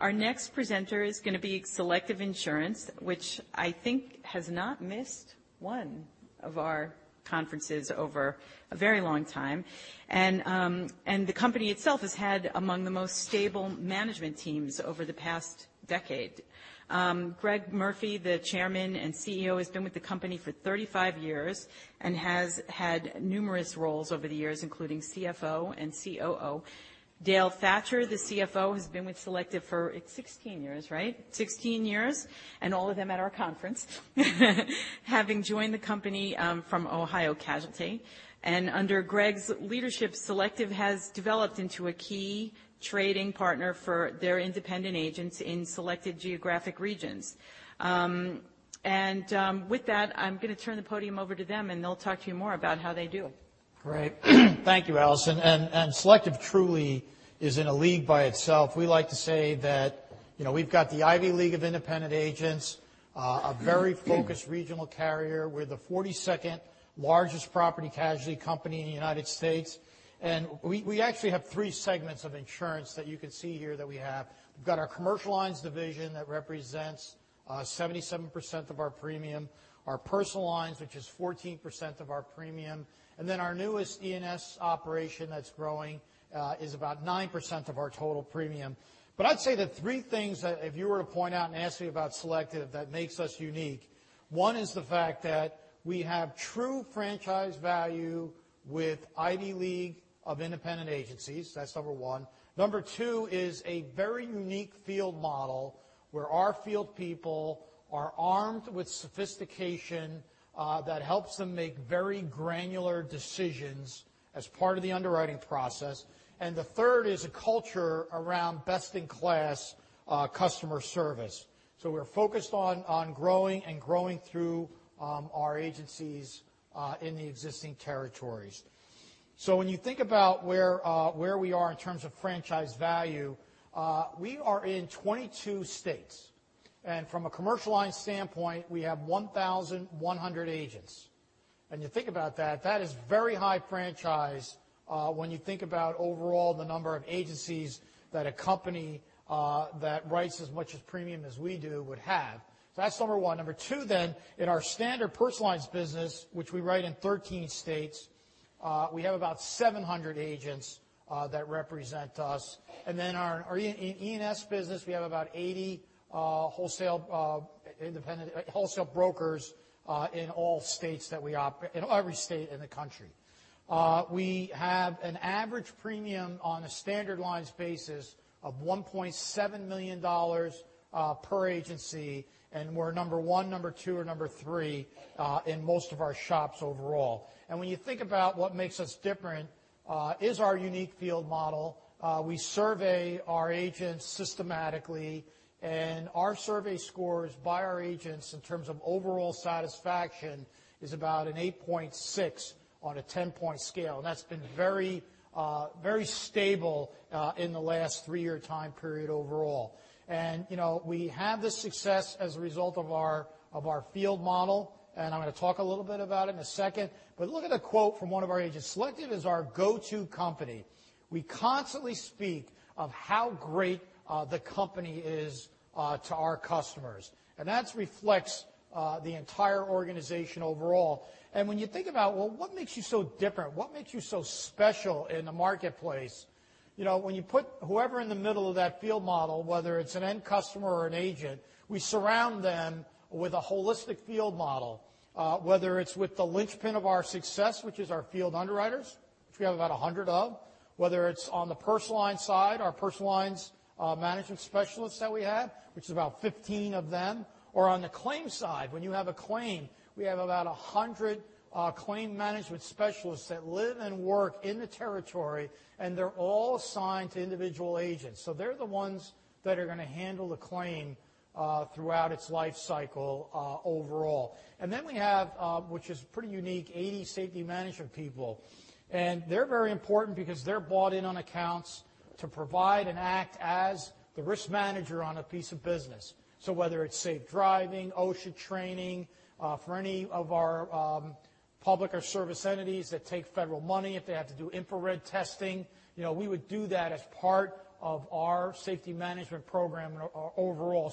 Our next presenter is going to be Selective Insurance, which I think has not missed one of our conferences over a very long time. The company itself has had among the most stable management teams over the past decade. Greg Murphy, the Chairman and Chief Executive Officer, has been with the company for 35 years and has had numerous roles over the years, including Chief Financial Officer and Chief Operating Officer. Dale Thatcher, the Chief Financial Officer, has been with Selective for 16 years, right? Having joined the company from Ohio Casualty. Under Greg's leadership, Selective has developed into a key trading partner for their independent agents in selected geographic regions. With that, I'm going to turn the podium over to them, and they'll talk to you more about how they do. Great. Thank you, Allison. Selective truly is in a league by itself. We like to say that we've got the Ivy League of independent agents, a very focused regional carrier. We're the 42nd largest property casualty company in the United States. We actually have three segments of insurance that you can see here that we have. We've got our commercial lines division that represents 77% of our premium, our personal lines, which is 14% of our premium, and then our newest E&S operation that's growing is about 9% of our total premium. I'd say the three things that if you were to point out and ask me about Selective that makes us unique, one is the fact that we have true franchise value with Ivy League of independent agencies. That's number 1. Number 2 is a very unique field model where our field people are armed with sophistication that helps them make very granular decisions as part of the underwriting process. The third is a culture around best-in-class customer service. We're focused on growing and growing through our agencies in the existing territories. When you think about where we are in terms of franchise value, we are in 22 states. From a commercial line standpoint, we have 1,100 agents. You think about that is very high franchise when you think about overall the number of agencies that a company that writes as much as premium as we do would have. That's number 1. Number 2 then, in our standard personal lines business, which we write in 13 states, we have about 700 agents that represent us. Then in our E&S business, we have about 80 wholesale brokers in every state in the country. We have an average premium on a standard lines basis of $1.7 million per agency, and we're number 1, number 2, or number 3 in most of our shops overall. When you think about what makes us different is our unique field model. We survey our agents systematically, and our survey scores by our agents in terms of overall satisfaction is about an 8.6 on a 10-point scale, and that's been very stable in the last three-year time period overall. We have this success as a result of our field model, and I'm going to talk a little bit about it in a second. Look at a quote from one of our agents. "Selective is our go-to company. We constantly speak of how great the company is to our customers." That reflects the entire organization overall. When you think about, well, what makes you so different, what makes you so special in the marketplace? When you put whoever in the middle of that field model, whether it is an end customer or an agent, we surround them with a holistic field model whether it is with the linchpin of our success, which is our field underwriters, which we have about 100 of, whether it is on the personal line side, our personal lines management specialists that we have, which is about 15 of them, or on the claims side, when you have a claim, we have about 100 claim management specialists that live and work in the territory, and they are all assigned to individual agents. They are the ones that are going to handle the claim throughout its life cycle overall. We have, which is pretty unique, 80 safety management people. They are very important because they are brought in on accounts to provide and act as the risk manager on a piece of business. Whether it is safe driving, OSHA training for any of our public or service entities that take federal money if they have to do infrared testing. We would do that as part of our safety management program overall.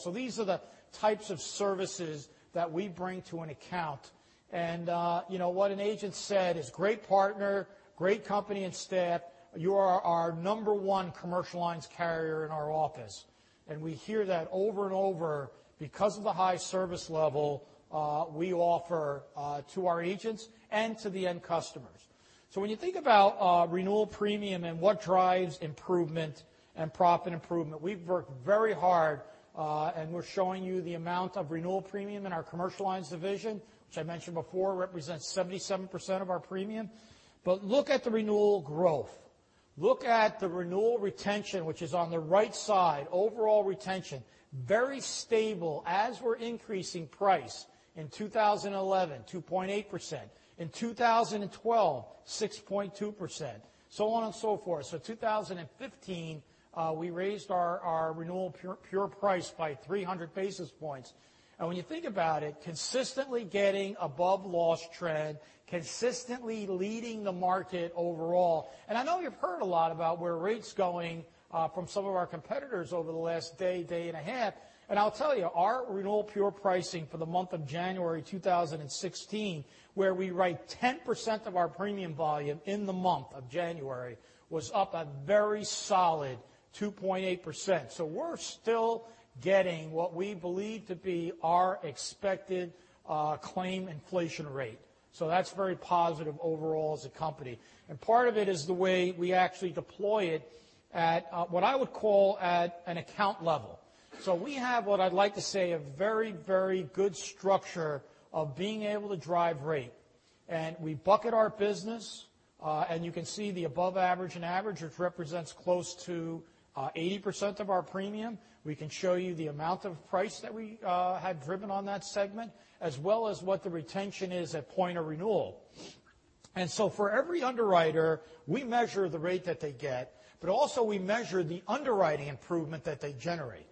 What an agent said is, "Great partner, great company and staff. You are our number 1 commercial lines carrier in our office." We hear that over and over because of the high service level we offer to our agents and to the end customers. When you think about renewal premium and what drives improvement and profit improvement, we have worked very hard, and we are showing you the amount of renewal premium in our commercial lines division, which I mentioned before represents 77% of our premium. Look at the renewal growth Look at the renewal retention, which is on the right side, overall retention. Very stable as we are increasing price. In 2011, 2.8%. In 2012, 6.2%, so on and so forth. 2015, we raised our Renewal Pure Price by 300 basis points. When you think about it, consistently getting above loss trend, consistently leading the market overall. I know you have heard a lot about where rate is going from some of our competitors over the last day and a half, and I will tell you, our Renewal Pure Pricing for the month of January 2016, where we write 10% of our premium volume in the month of January, was up a very solid 2.8%. We are still getting what we believe to be our expected claim inflation rate. That is very positive overall as a company. Part of it is the way we actually deploy it at, what I would call, at an account level. We have, what I would like to say, a very good structure of being able to drive rate. We bucket our business, and you can see the above average and average, which represents close to 80% of our premium. We can show you the amount of price that we had driven on that segment, as well as what the retention is at point of renewal. For every underwriter, we measure the rate that they get, but also we measure the underwriting improvement that they generate.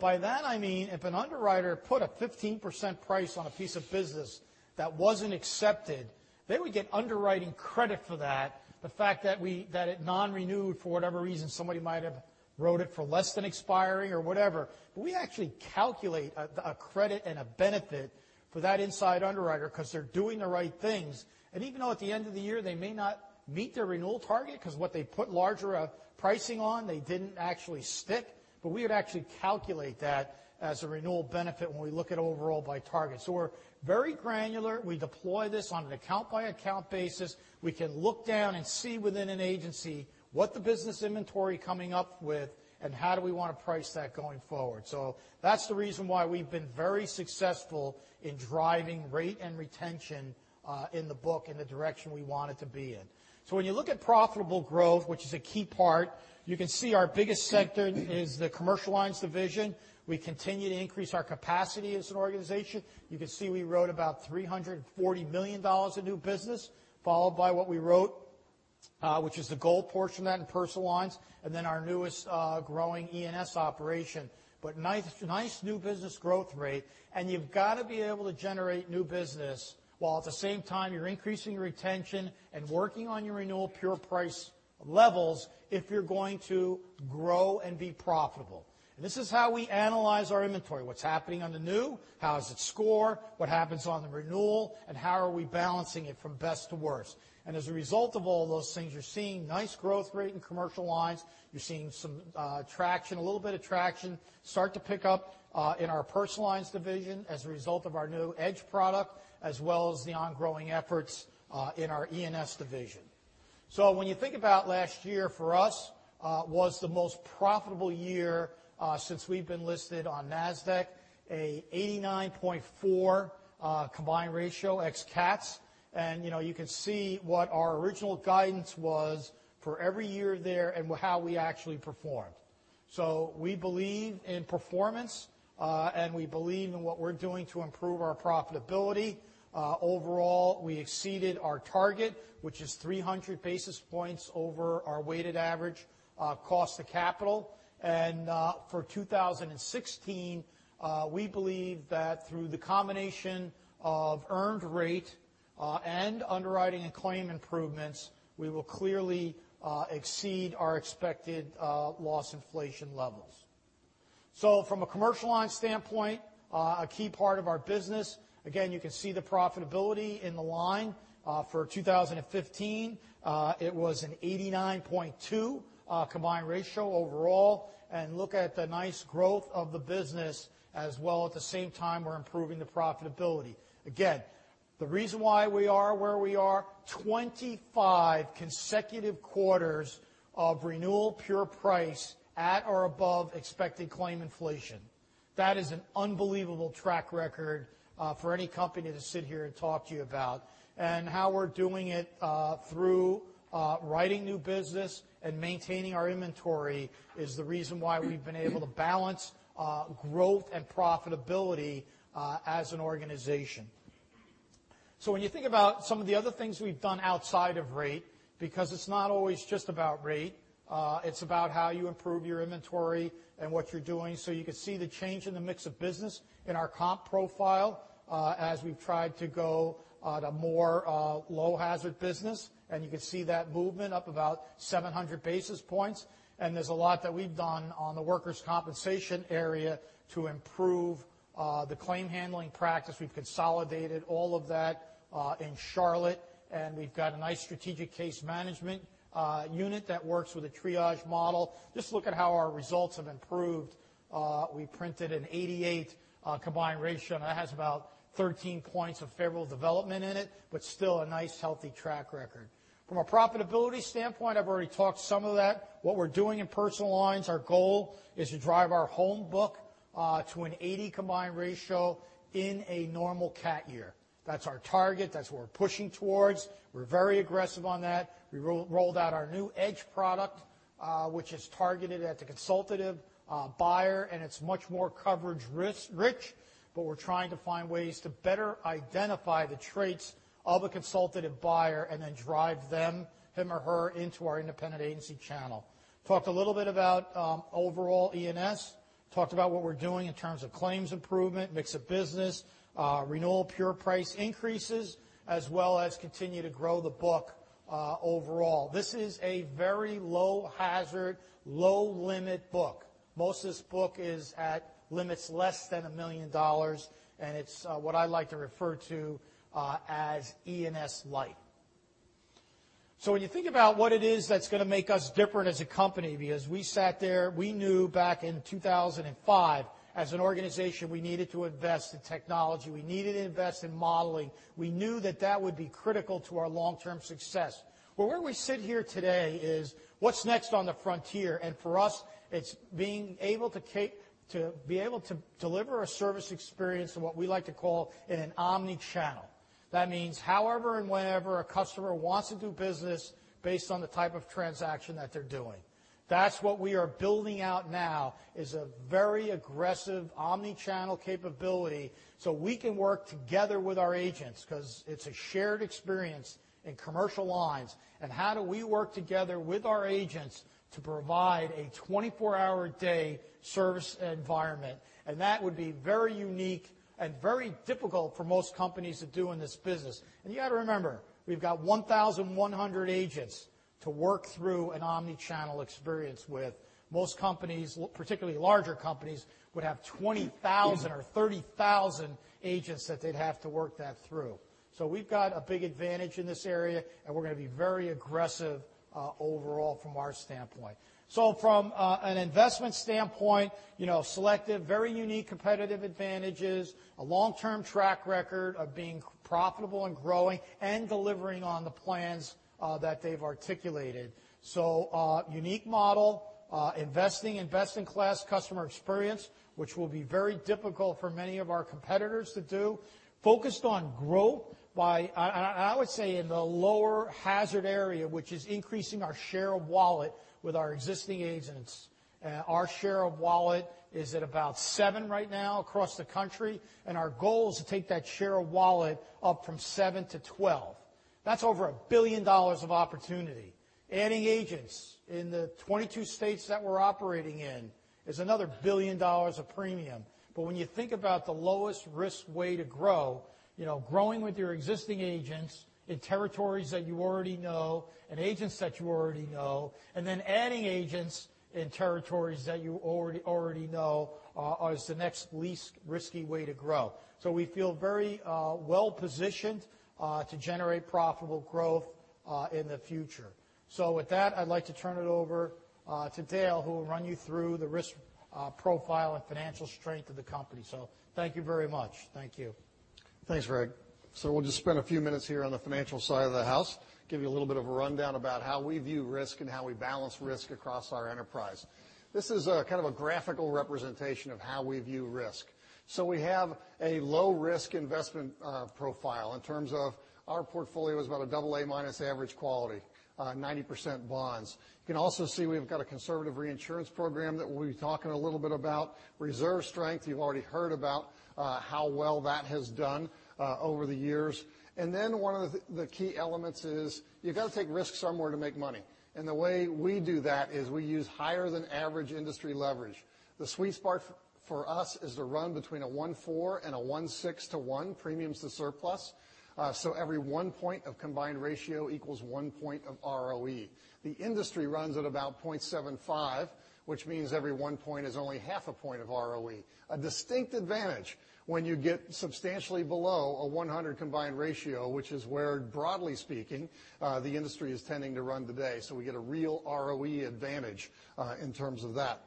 By that, I mean if an underwriter put a 15% price on a piece of business that wasn't accepted, they would get underwriting credit for that. The fact that it non-renewed for whatever reason, somebody might have wrote it for less than expiry or whatever, we actually calculate a credit and a benefit for that inside underwriter because they're doing the right things. Even though at the end of the year they may not meet their renewal target because what they put larger a pricing on, they didn't actually stick, we would actually calculate that as a renewal benefit when we look at overall by target. We're very granular. We deploy this on an account-by-account basis. We can look down and see within an agency what the business inventory coming up with, and how do we want to price that going forward. That's the reason why we've been very successful in driving rate and retention in the book in the direction we want it to be in. When you look at profitable growth, which is a key part, you can see our biggest sector is the Commercial Lines division. We continue to increase our capacity as an organization. You can see we wrote about $340 million of new business, followed by what we wrote, which is the goal portion of that in Personal Lines, and then our newest growing E&S operation. Nice new business growth rate, and you've got to be able to generate new business while at the same time you're increasing retention and working on your renewal pure price levels if you're going to grow and be profitable. This is how we analyze our inventory, what's happening on the new, how does it score, what happens on the renewal, and how are we balancing it from best to worst? As a result of all those things, you're seeing nice growth rate in Commercial Lines. You're seeing a little bit of traction start to pick up in our Personal Lines division as a result of our new Edge product, as well as the ongoing efforts in our E&S division. When you think about last year, for us, was the most profitable year since we've been listed on NASDAQ, a 89.4 combined ratio ex cats, you can see what our original guidance was for every year there and how we actually performed. We believe in performance, and we believe in what we're doing to improve our profitability. Overall, we exceeded our target, which is 300 basis points over our weighted average cost of capital. For 2016, we believe that through the combination of earned rate and underwriting and claim improvements, we will clearly exceed our expected loss inflation levels. From a Commercial Line standpoint, a key part of our business, again, you can see the profitability in the line. For 2015, it was an 89.2 combined ratio overall, and look at the nice growth of the business as well. At the same time, we're improving the profitability. Again, the reason why we are where we are, 25 consecutive quarters of Renewal Pure Price at or above expected claim inflation. That is an unbelievable track record for any company to sit here and talk to you about. How we're doing it through writing new business and maintaining our inventory is the reason why we've been able to balance growth and profitability as an organization. When you think about some of the other things we've done outside of rate, because it's not always just about rate, it's about how you improve your inventory and what you're doing. You can see the change in the mix of business in our comp profile as we've tried to go to more low hazard business, and you can see that movement up about 700 basis points, and there's a lot that we've done on the workers' compensation area to improve the claim handling practice. We've consolidated all of that in Charlotte, and we've got a nice strategic case management unit that works with a triage model. Just look at how our results have improved. We printed an 88 combined ratio, and that has about 13 points of favorable development in it, but still a nice healthy track record. From a profitability standpoint, I've already talked some of that. What we're doing in Personal Lines, our goal is to drive our home book to an 80 combined ratio in a normal cat year. That's our target. That's what we're pushing towards. We're very aggressive on that. We rolled out our new Edge product, which is targeted at the consultative buyer, and it's much more coverage risk rich, but we're trying to find ways to better identify the traits of a consultative buyer and then drive them, him or her, into our independent agency channel. Talked a little bit about overall E&S. Talked about what we're doing in terms of claims improvement, mix of business, Renewal Pure Price increases, as well as continue to grow the book overall. This is a very low hazard, low limit book. Most of this book is at limits less than $1 million, and it's what I like to refer to as E&S light. When you think about what it is that's going to make us different as a company, because we sat there, we knew back in 2005 as an organization, we needed to invest in technology, we needed to invest in modeling. We knew that that would be critical to our long-term success. Where we sit here today is what's next on the frontier, and for us, it's being able to deliver a service experience in what we like to call in an omni-channel. That means however and whenever a customer wants to do business based on the type of transaction that they're doing. That's what we are building out now is a very aggressive omni-channel capability, so we can work together with our agents because it's a shared experience in commercial lines, and how do we work together with our agents to provide a 24-hour-a-day service environment? That would be very unique and very difficult for most companies to do in this business. You got to remember, we've got 1,100 agents to work through an omni-channel experience with. Most companies, particularly larger companies, would have 20,000 or 30,000 agents that they'd have to work that through. We've got a big advantage in this area, and we're going to be very aggressive overall from our standpoint. From an investment standpoint, Selective, very unique competitive advantages, a long-term track record of being profitable and growing and delivering on the plans that they've articulated. A unique model, investing in best-in-class customer experience, which will be very difficult for many of our competitors to do. Focused on growth by in the lower hazard area, which is increasing our share of wallet with our existing agents. Our share of wallet is at about 7 right now across the country, and our goal is to take that share of wallet up from 7 to 12. That's over $1 billion of opportunity. Adding agents in the 22 states that we're operating in is another $1 billion of premium. When you think about the lowest risk way to grow, growing with your existing agents in territories that you already know and agents that you already know, and then adding agents in territories that you already know is the next least risky way to grow. We feel very well positioned to generate profitable growth in the future. With that, I'd like to turn it over to Dale, who will run you through the risk profile and financial strength of the company. Thank you very much. Thank you. Thanks, Greg. We'll just spend a few minutes here on the financial side of the house, give you a little bit of a rundown about how we view risk and how we balance risk across our enterprise. This is kind of a graphical representation of how we view risk. We have a low-risk investment profile in terms of our portfolio is about a AA- average quality, 90% bonds. You can also see we've got a conservative reinsurance program that we'll be talking a little bit about. Reserve strength, you've already heard about how well that has done over the years. Then one of the key elements is you've got to take risks somewhere to make money. The way we do that is we use higher than average industry leverage. The sweet spot for us is to run between a 1.4 and a 1.6 to 1 premiums to surplus. Every 1 point of combined ratio equals 1 point of ROE. The industry runs at about 0.75, which means every 1 point is only half a point of ROE. A distinct advantage when you get substantially below a 100 combined ratio, which is where, broadly speaking, the industry is tending to run today. We get a real ROE advantage in terms of that.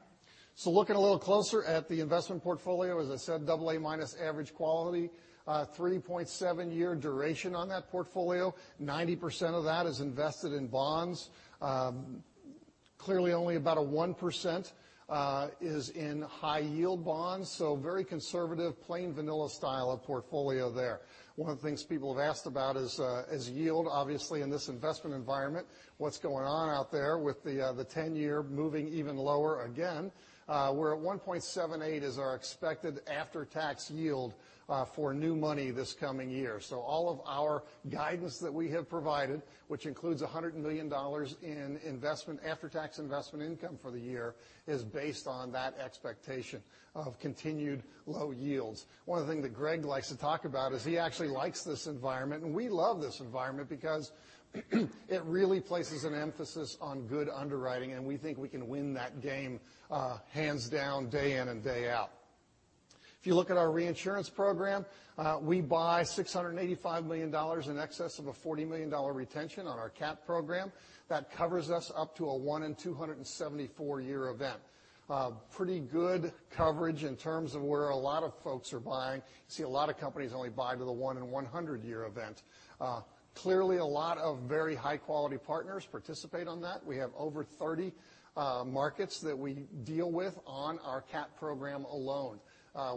Looking a little closer at the investment portfolio, as I said, AA- average quality, 3.7 year duration on that portfolio, 90% of that is invested in bonds. Clearly only about a 1% is in high yield bonds, so very conservative, plain vanilla style of portfolio there. One of the things people have asked about is yield, obviously, in this investment environment, what's going on out there with the 10-year moving even lower again. We're at 1.78% is our expected after-tax yield for new money this coming year. All of our guidance that we have provided, which includes $100 million in after-tax investment income for the year, is based on that expectation of continued low yields. One of the things that Greg likes to talk about is he actually likes this environment, and we love this environment because it really places an emphasis on good underwriting, and we think we can win that game hands down, day in and day out. If you look at our reinsurance program, we buy $685 million in excess of a $40 million retention on our cat program. That covers us up to a 1 in 274-year event. Pretty good coverage in terms of where a lot of folks are buying. You see a lot of companies only buy to the 1 in 100-year event. Clearly, a lot of very high-quality partners participate in that. We have over 30 markets that we deal with on our cat program alone.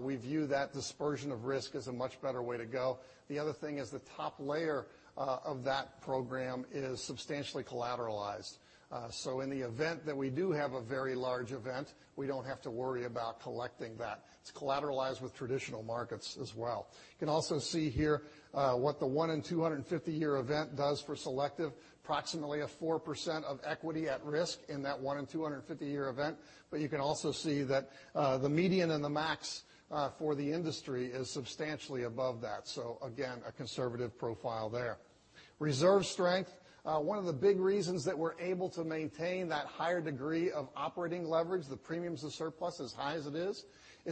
We view that dispersion of risk as a much better way to go. The other thing is the top layer of that program is substantially collateralized. In the event that we do have a very large event, we don't have to worry about collecting that. It's collateralized with traditional markets as well. You can also see here what the 1 in 250-year event does for Selective, approximately a 4% of equity at risk in that 1 in 250-year event. You can also see that the median and the max for the industry is substantially above that. Again, a conservative profile there. Reserve strength. One of the big reasons that we're able to maintain that higher degree of operating leverage, the premiums to surplus as high as it is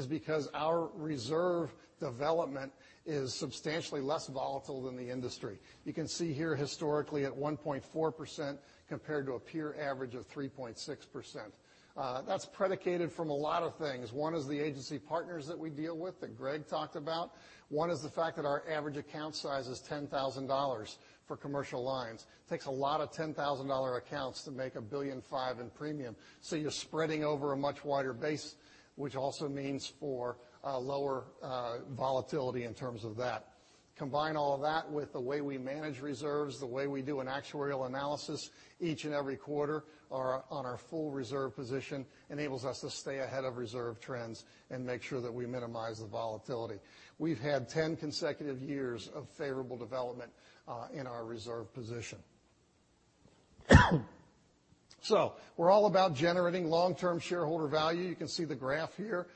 because our reserve development is substantially less volatile than the industry. You can see here historically at 1.4% compared to a peer average of 3.6%. That's predicated from a lot of things. One is the agency partners that we deal with that Greg talked about. One is the fact that our average account size is $10,000 for commercial lines. Takes a lot of $10,000 accounts to make $1.5 billion in premium. You're spreading over a much wider base, which also means for lower volatility in terms of that. Combine all of that with the way we manage reserves, the way we do an actuarial analysis each and every quarter on our full reserve position enables us to stay ahead of reserve trends and make sure that we minimize the volatility. We've had 10 consecutive years of favorable development in our reserve position. We're all about generating long-term shareholder value. You can see the graph here.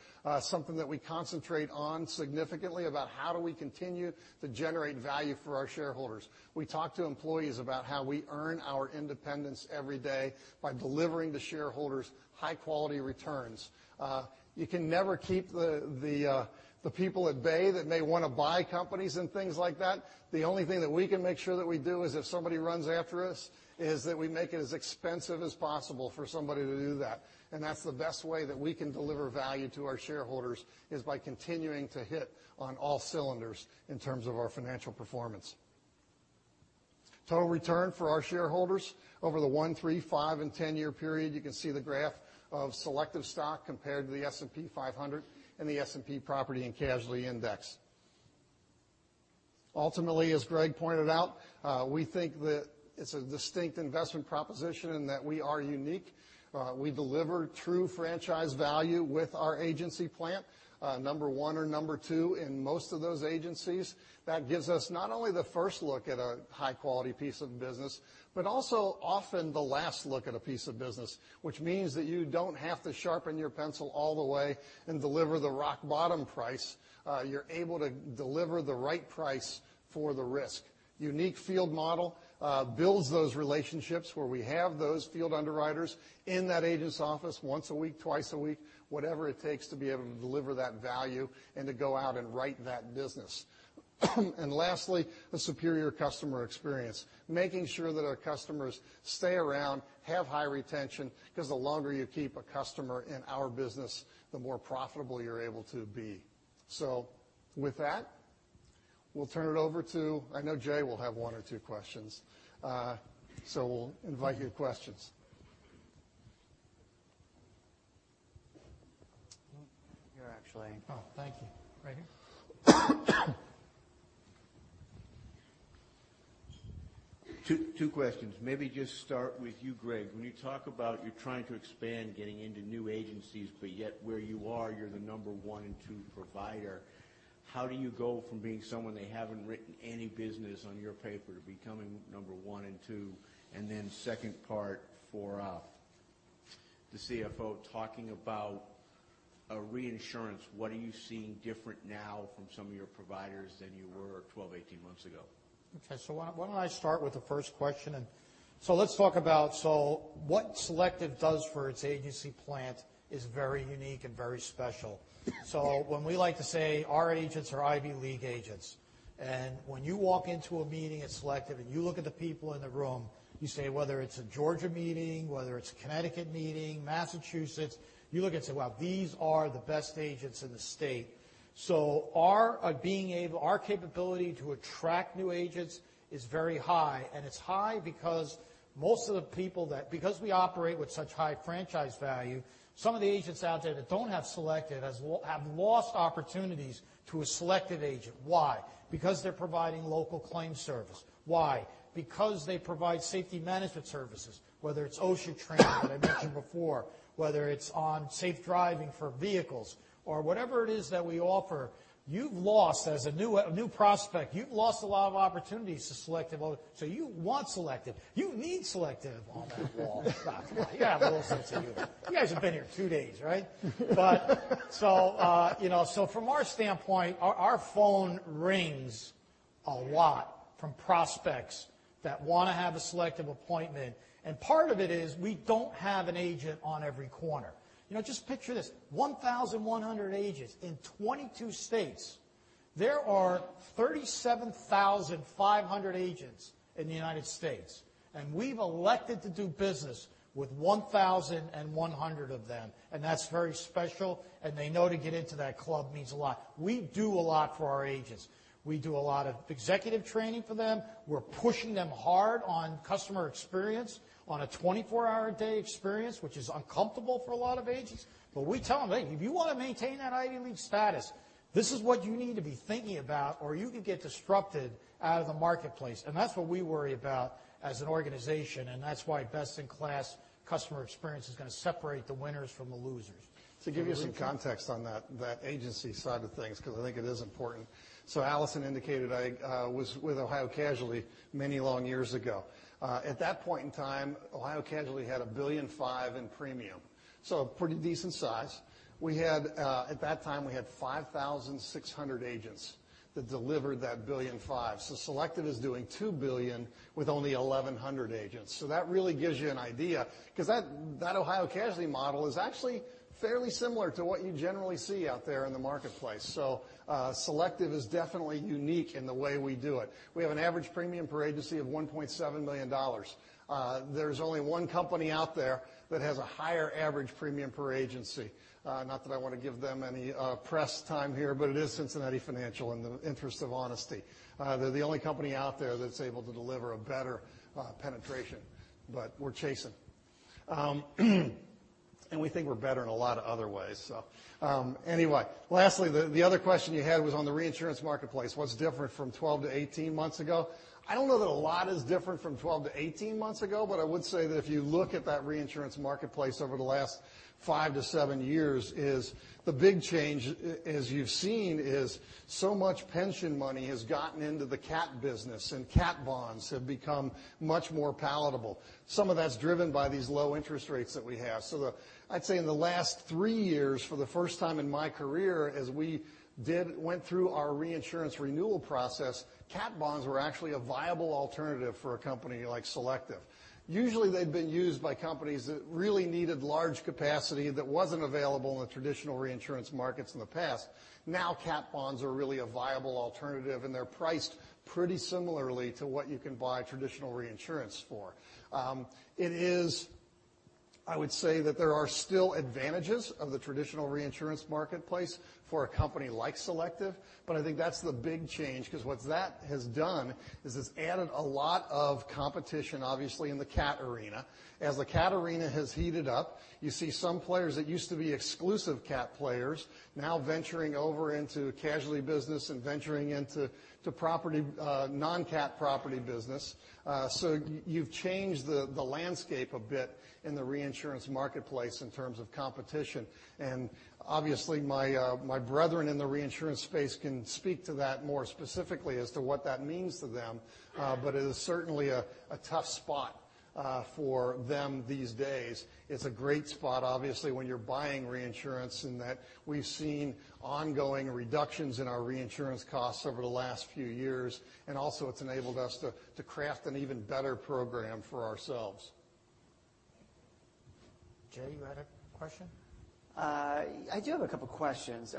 Something that we concentrate on significantly about how do we continue to generate value for our shareholders. We talk to employees about how we earn our independence every day by delivering the shareholders high-quality returns. You can never keep the people at bay that may want to buy companies and things like that. The only thing that we can make sure that we do is if somebody runs after us, is that we make it as expensive as possible for somebody to do that. That's the best way that we can deliver value to our shareholders is by continuing to hit on all cylinders in terms of our financial performance. Total return for our shareholders over the one, three, five, and 10-year period. You can see the graph of Selective stock compared to the S&P 500 and the S&P Property and Casualty Index. Ultimately, as Greg pointed out, we think that it's a distinct investment proposition and that we are unique. We deliver true franchise value with our agency plant, number one or number two in most of those agencies. That gives us not only the first look at a high-quality piece of business, but also often the last look at a piece of business, which means that you don't have to sharpen your pencil all the way and deliver the rock-bottom price. You're able to deliver the right price for the risk. Unique field model builds those relationships where we have those field underwriters in that agent's office once a week, twice a week, whatever it takes to be able to deliver that value and to go out and write that business. Lastly, a superior customer experience, making sure that our customers stay around, have high retention, because the longer you keep a customer in our business, the more profitable you're able to be. With that, we'll turn it over to, I know Jay will have one or two questions. We'll invite your questions. Here, actually. Oh, thank you. Right here? Two questions. Maybe just start with you, Greg. When you talk about you're trying to expand, getting into new agencies, but yet where you are, you're the number one and two provider. How do you go from being someone that haven't written any business on your paper to becoming number one and two? Second part for the CFO, talking about reinsurance, what are you seeing different now from some of your providers than you were 12, 18 months ago? Okay. Why don't I start with the first question? Let's talk about what Selective does for its agency plant is very unique and very special. When we like to say our agents are Ivy League agents, when you walk into a meeting at Selective and you look at the people in the room, you say whether it's a Georgia meeting, whether it's a Connecticut meeting, Massachusetts, you look and say, "Wow, these are the best agents in the state." Our capability to attract new agents is very high, and it's high because most of the people that, because we operate with such high franchise value, some of the agents out there that don't have Selective have lost opportunities to a Selective agent. Why? Because they're providing local claim service. Why? Because they provide safety management services, whether it's OSHA training that I mentioned before, whether it's on safe driving for vehicles or whatever it is that we offer. You've lost as a new prospect. You've lost a lot of opportunities to Selective. You want Selective, you need Selective on that wall. You have a little sense of humor. You guys have been here two days, right? From our standpoint, our phone rings A lot from prospects that want to have a Selective appointment. Part of it is we don't have an agent on every corner. Just picture this, 1,100 agents in 22 states. There are 37,500 agents in the United States. We've elected to do business with 1,100 of them, and that's very special, and they know to get into that club means a lot. We do a lot for our agents. We do a lot of executive training for them. We're pushing them hard on customer experience on a 24-hour-a-day experience, which is uncomfortable for a lot of agents. We tell them, "Hey, if you want to maintain that Ivy League status, this is what you need to be thinking about, or you could get disrupted out of the marketplace." That's what we worry about as an organization, and that's why best-in-class customer experience is going to separate the winners from the losers. To give you some context on that agency side of things, because I think it is important. Allison indicated I was with Ohio Casualty many long years ago. At that point in time, Ohio Casualty had $1.5 billion in premium, pretty decent size. At that time, we had 5,600 agents that delivered that $1.5 billion. Selective is doing $2 billion with only 1,100 agents. That really gives you an idea, because that Ohio Casualty model is actually fairly similar to what you generally see out there in the marketplace. Selective is definitely unique in the way we do it. We have an average premium per agency of $1.7 million. There's only one company out there that has a higher average premium per agency. Not that I want to give them any press time here, but it is Cincinnati Financial, in the interest of honesty. They're the only company out there that's able to deliver a better penetration, we're chasing. We think we're better in a lot of other ways. Anyway, lastly, the other question you had was on the reinsurance marketplace. What's different from 12 to 18 months ago? I don't know that a lot is different from 12 to 18 months ago, but I would say that if you look at that reinsurance marketplace over the last five to seven years is the big change, as you've seen is so much pension money has gotten into the cat business, and cat bonds have become much more palatable. Some of that's driven by these low interest rates that we have. I'd say in the last three years, for the first time in my career, as we went through our reinsurance renewal process, cat bonds were actually a viable alternative for a company like Selective. Usually, they've been used by companies that really needed large capacity that wasn't available in the traditional reinsurance markets in the past. Now, cat bonds are really a viable alternative, and they're priced pretty similarly to what you can buy traditional reinsurance for. I would say that there are still advantages of the traditional reinsurance marketplace for a company like Selective, but I think that's the big change, because what that has done is it's added a lot of competition, obviously, in the cat arena. As the cat arena has heated up, you see some players that used to be exclusive cat players now venturing over into casualty business and venturing into non-cat property business. You've changed the landscape a bit in the reinsurance marketplace in terms of competition. Obviously, my brethren in the reinsurance space can speak to that more specifically as to what that means to them. It is certainly a tough spot for them these days. It's a great spot, obviously, when you're buying reinsurance in that we've seen ongoing reductions in our reinsurance costs over the last few years, and also it's enabled us to craft an even better program for ourselves. Jay, you had a question? I do have a couple questions.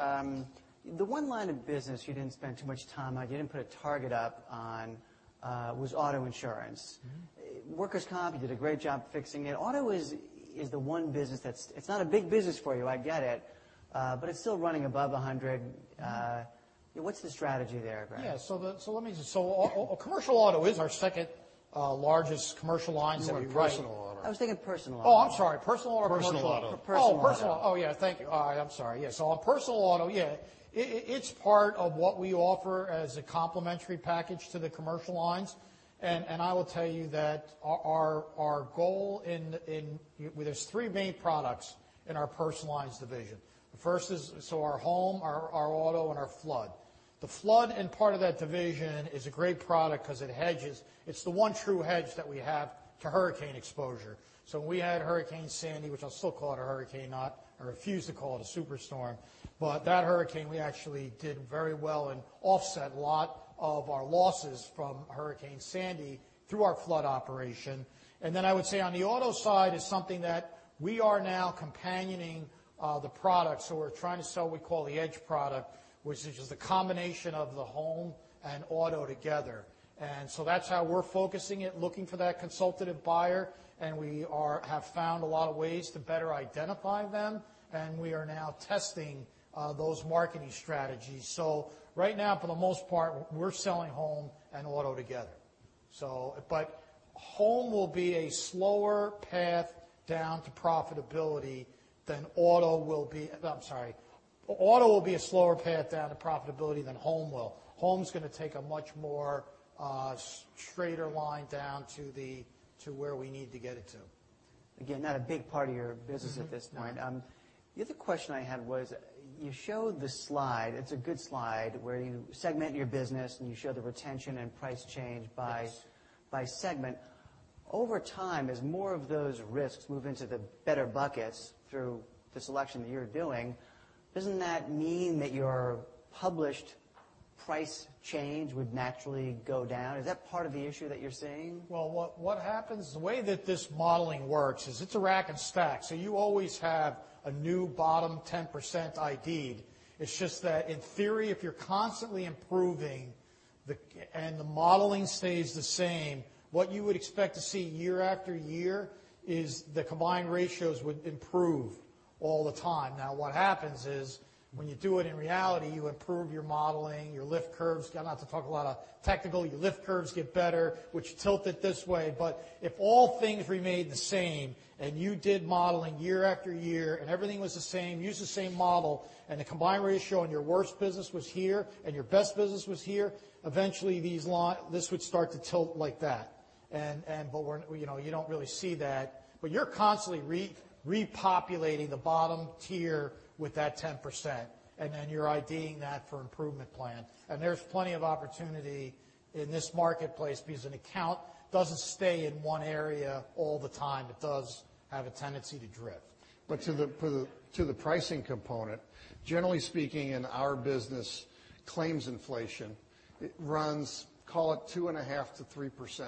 The one line of business you didn't spend too much time on, you didn't put a target up on, was auto insurance. Workers' comp, you did a great job fixing it. Auto is the one business that's it's not a big business for you, I get it. It's still running above 100. What's the strategy there, Greg? Yeah. commercial auto is our second largest commercial lines of- You mean personal auto. I was thinking personal auto. Oh, I'm sorry. Personal or commercial? personal auto. personal auto. Oh, personal. Oh, yeah, thank you. All right, I'm sorry. Yeah. On personal auto, yeah, it's part of what we offer as a complementary package to the commercial lines. I will tell you that our goal in well, there's three main products in our personal lines division. The first is so our home, our auto, and our Flood. The Flood and part of that division is a great product because it hedges. It's the one true hedge that we have to hurricane exposure. When we had Hurricane Sandy, which I'll still call it a hurricane, not, or refuse to call it a super storm. That hurricane, we actually did very well and offset a lot of our losses from Hurricane Sandy through our Flood operation. I would say on the auto side is something that we are now companioning the products, or trying to sell what we call The Selective Edge product, which is just a combination of the home and auto together. That's how we're focusing it, looking for that consultative buyer, and we have found a lot of ways to better identify them, and we are now testing those marketing strategies. Right now, for the most part, we're selling home and auto together. Home will be a slower path down to profitability than auto will be. I'm sorry. Auto will be a slower path down to profitability than home will. Home's going to take a much more straighter line down to where we need to get it to. Again, not a big part of your business at this point. No. The other question I had was, you showed the slide, it's a good slide, where you segment your business and you show the retention and price change by- Yes by segment. Over time, as more of those risks move into the better buckets through the selection that you're doing, doesn't that mean that your published price change would naturally go down? Is that part of the issue that you're seeing? Well, what happens, the way that this modeling works is it's a rack and stack, so you always have a new bottom 10% ID'd. It's just that in theory, if you're constantly improving and the modeling stays the same, what you would expect to see year after year is the combined ratios would improve all the time. What happens is when you do it in reality, you improve your modeling, your lift curves. Not to talk a lot of technical. Your lift curves get better, which tilt it this way. If all things remained the same and you did modeling year after year and everything was the same, used the same model, and the combined ratio on your worst business was here and your best business was here, eventually this would start to tilt like that. You don't really see that, you're constantly repopulating the bottom tier with that 10%, then you're ID'ing that for improvement plan. There's plenty of opportunity in this marketplace because an account doesn't stay in one area all the time. It does have a tendency to drift. To the pricing component, generally speaking in our business claims inflation, it runs, call it 2.5% to 3%.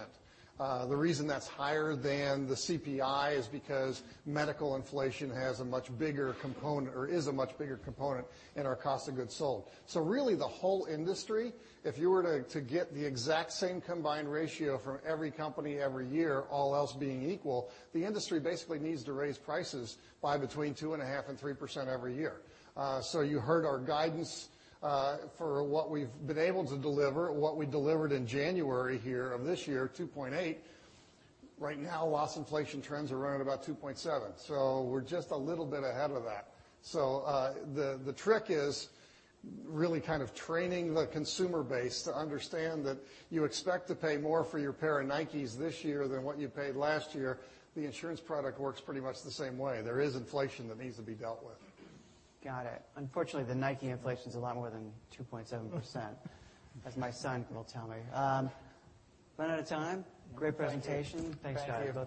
The reason that's higher than the CPI is because medical inflation has a much bigger component or is a much bigger component in our cost of goods sold. Really the whole industry, if you were to get the exact same combined ratio from every company every year, all else being equal, the industry basically needs to raise prices by between 2.5% and 3% every year. You heard our guidance, for what we've been able to deliver, what we delivered in January here of this year, 2.8%. Right now, loss inflation trends are running about 2.7%. We're just a little bit ahead of that. The trick is really kind of training the consumer base to understand that you expect to pay more for your pair of Nike this year than what you paid last year. The insurance product works pretty much the same way. There is inflation that needs to be dealt with. Got it. Unfortunately, the Nike inflation's a lot more than 2.7%, as my son will tell me. Ran out of time. Great presentation. Thanks, guys.